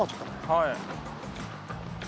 はい。